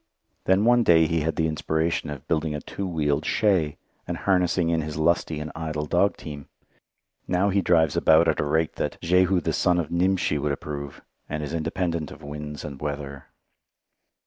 Then one day he had the inspiration of building a two wheeled shay, and harnessing in his lusty and idle dog team. Now he drives about at a rate that "Jehu the son of Nimshi would approve," and is independent of winds and weather.